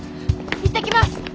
行ってきます！